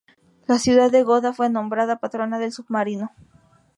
La ciudad de Gotha fue nombrada patrona del submarino.